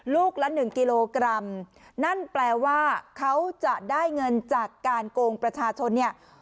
ละหนึ่งกิโลกรัมนั่นแปลว่าเขาจะได้เงินจากการโกงประชาชนเนี่ย